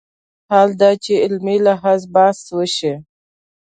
حال دا چې علمي لحاظ بحث وشي